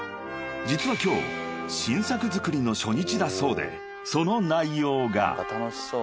［実は今日新作作りの初日だそうでその内容が］